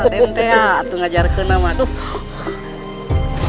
tenteng ya ngajar ke nama tuh